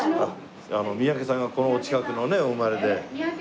三宅さんがこのお近くのお生まれで。